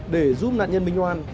để giúp nạn nhân minh hoan